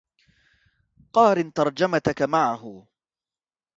قارن ترجمتك معهُ